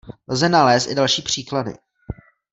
Lze nalézt i další příklady.